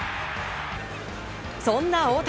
そんな大谷